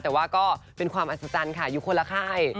แต่ว่าก็เป็นความอัศจรรย์ค่ะอยู่คนละค่าย